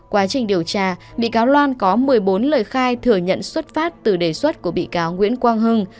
quá trình điều tra bị cáo loan có một mươi bốn lời khai thừa nhận xuất phát từ đề xuất của bị cáo nguyễn quang hưng